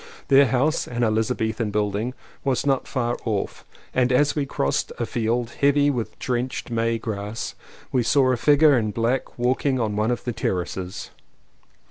Their house, an Elizabethan building, was not far off, and as we crossed a field, heavy with drenched May grass, we saw a figure in black walking on one of the ter races.